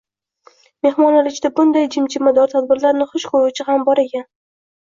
Mehmonlar ichida bunday jimjimador tadbirlarni hush koʻruvchi ham bor ekan.